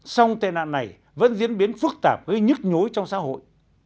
song tên nạn này vẫn diễn biến phức tạp với nhức nhối trong xã hội